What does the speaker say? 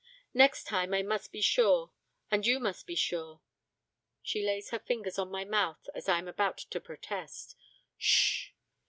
'Next time I must be sure, and you must be sure,' she lays her fingers on my mouth as I am about to protest, 'S sh!